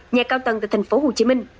nhà cao tầng tại tp hcm